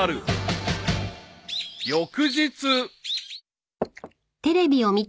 ［翌日］